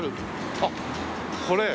あっこれ。